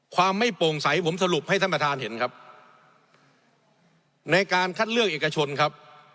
ความไม่โปร่งใสผมสรุปให้ท่านประธานเห็นครับในการคัดเลือกเอกชนครับ